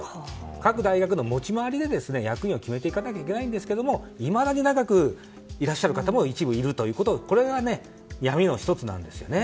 各大学の持ち回りで役員を決めていかなきゃいけないんですけどいまだに長くいらっしゃる方も一部いるということがこれが闇の１つなんですよね。